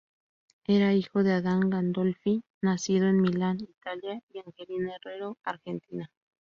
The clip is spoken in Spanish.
Era hijo de Adán Gandolfi, nacido en Milán, Italia, y Angelina Herrero, argentina.